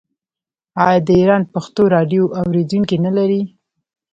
آیا د ایران پښتو راډیو اوریدونکي نلري؟